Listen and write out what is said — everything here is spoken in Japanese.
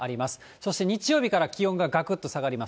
そして、日曜日から気温ががくっと下がります。